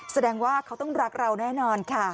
แสดงว่าเขาต้องรักเราแน่นอนค่ะ